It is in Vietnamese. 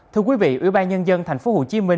thưa quý vị ủy ban nhân dân tp hcm